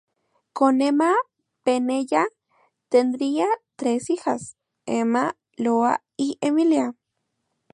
Con Emma Penella tendría tres hijas: Emma, Lola y Emiliana.